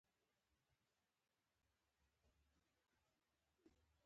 د لښکرګاه پر لور مزل وغځاوه.